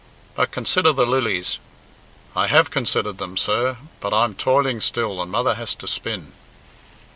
"'But consider the lilies' " "I have considered them, sir; but I'm foiling still and mother has to spin."